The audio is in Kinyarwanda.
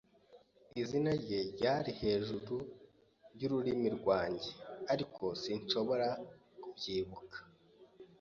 Izina rye ryari hejuru yururimi rwanjye, ariko sinshobora kubyibuka.